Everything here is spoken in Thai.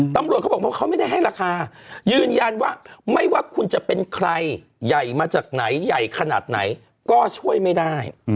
ตำรวจเขาบอกว่าเขาไม่ได้ให้ราคายืนยันว่าไม่ว่าคุณจะเป็นใครใหญ่มาจากไหนใหญ่ขนาดไหนก็ช่วยไม่ได้